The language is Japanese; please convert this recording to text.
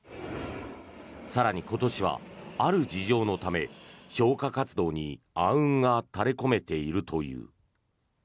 更に今年はある事情のため消火活動に暗雲が垂れ込めているという。